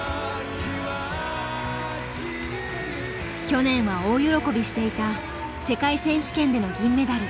去年は大喜びしていた世界選手権での銀メダル。